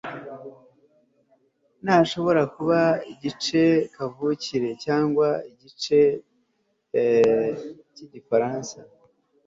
ni ashobora kuba igice kavukire, cyangwa igice cyigifaransa